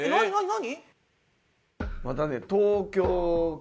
何？